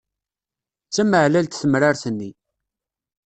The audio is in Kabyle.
D tameɛlalt temrart-nni.